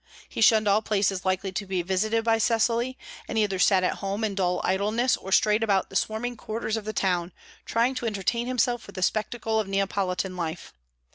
He shunned all places likely to be visited by Cecily, and either sat at home in dull idleness or strayed about the swarming quarters of the town, trying to entertain himself with the spectacle of Neapolitan life.